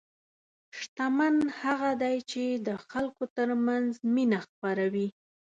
شتمن هغه دی چې د خلکو ترمنځ مینه خپروي.